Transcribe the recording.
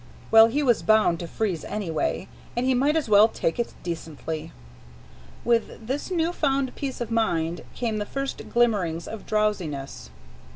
Well, he was bound to freeze anyway, and he might as well take it decently. With this new found peace of mind came the first glimmerings of drowsiness.